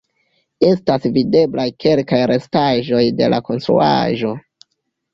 Estas videblaj kelkaj restaĵoj de la konstruaĵo.